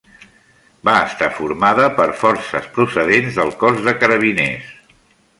Va estar formada per forces procedents del Cos de Carabiners.